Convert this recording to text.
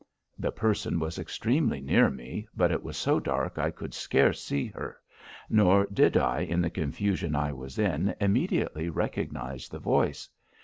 The person was extremely near me, but it was so dark I could scarce see her; nor did I, in the confusion I was in, immediately recognize the voice.